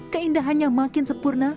keindahannya makin sempurna